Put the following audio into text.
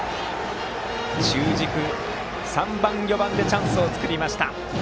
中軸の３番、４番でチャンスを作りました。